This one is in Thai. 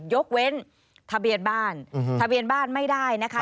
ยกเว้นทะเบียนบ้านทะเบียนบ้านไม่ได้นะคะ